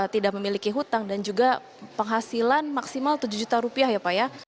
tidak memiliki hutang dan juga penghasilan maksimal tujuh juta rupiah ya pak ya